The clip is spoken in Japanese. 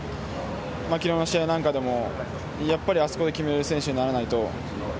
昨日の試合なんかでもやっぱりあそこで決められる選手にならないと。